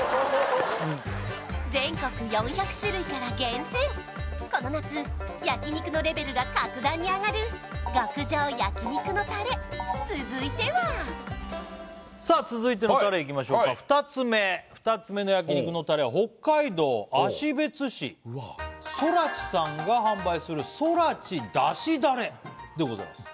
全国４００種類から厳選この夏焼肉のレベルが格段に上がる極上焼肉のタレ続いてはさあ続いてのタレいきましょうか２つ目２つ目の焼肉のタレはうわあソラチさんが販売するソラチ出汁たれでございます